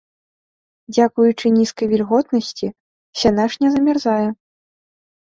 Дзякуючы нізкай вільготнасці, сянаж не замярзае.